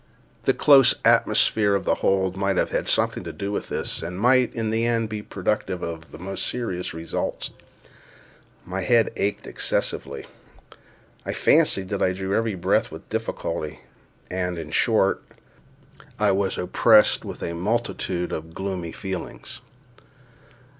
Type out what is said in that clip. The close atmosphere of the hold might have had something to do with this, and might, in the end, be productive of the most serious results. My head ached excessively; I fancied that I drew every breath with difficulty; and, in short, I was oppressed with a multitude of gloomy feelings.